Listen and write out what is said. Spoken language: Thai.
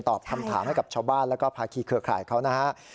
ตอบทำถามให้กับชาวบ้านและภาคีเครือข่ายเขา